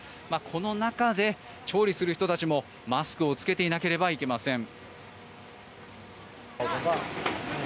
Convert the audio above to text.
この中で調理する人たちもマスクを着けていなければなりません。